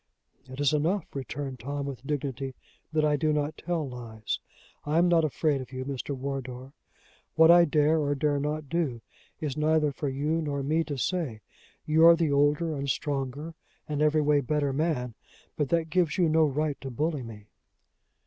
"It is enough," returned Tom with dignity, "that I do not tell lies. I am not afraid of you, Mr. Wardour. What I dare or dare not do, is neither for you nor me to say. You are the older and stronger and every way better man, but that gives you no right to bully me."